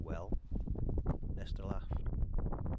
"Well?" Nesta laughed.